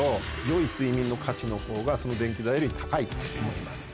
良い睡眠の価値のほうがその電気代より高いと思います。